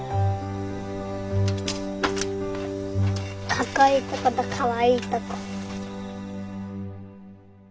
かっこいいとことかわいいとこ。